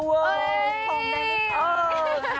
ของในวิทยาลัย